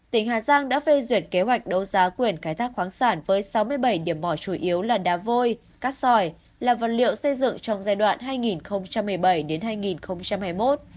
tỉnh hà giang đã phê duyệt kế hoạch đấu giá quyền khai thác khoáng sản với sáu mươi bảy điểm mỏ chủ yếu là đá vôi cát sỏi là vật liệu xây dựng trong giai đoạn hai nghìn một mươi bảy hai nghìn hai mươi một